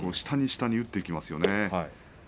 下に下に打っていきますよね。